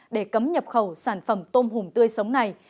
để cấm nhập khẩu sản phẩm tôm hùm tươi sống này